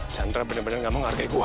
chandra bener bener gak mau ngargai gua